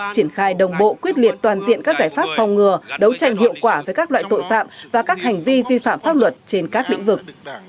triển khai đồng bộ quyết liệt toàn diện các giải pháp phòng ngừa đấu tranh hiệu quả với các loại tội phạm và các hành vi vi phạm pháp luật trên các lĩnh vực